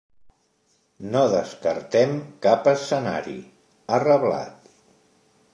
No descartem cap escenari, ha reblat.